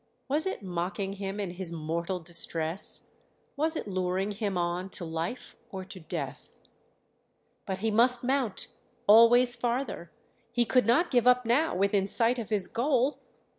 Was it mocking him in his mortal distress? Was it luring him on to life or to death? But he must mount, always farther; he could not give up now within sight of his goal!